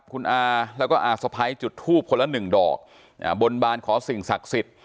คุณอาแล้วก็อาสะพ้ายจุดทูบคนละหนึ่งดอกบนบานขอสิ่งศักดิ์สิทธิ์